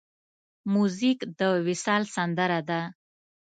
موزیک د وصال سندره ده.